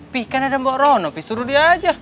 pi kan ada mbok rono pi suruh dia aja